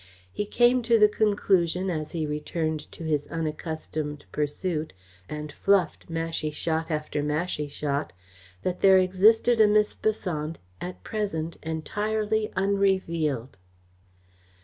He came to the conclusion, as he returned to his unaccustomed pursuit, and fluffed mashie shot after mashie shot, that there existed a Miss Besant at present entirely unrevealed.